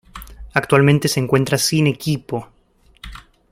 Actualmente, se encuentra sin equipo.